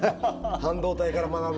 半導体から学ぶ？